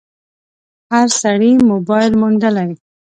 هر سړي موبایل موندلی